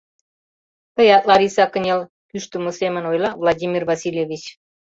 — Тыят, Лариса, кынел, — кӱштымӧ семын ойла Владимир Васильевич.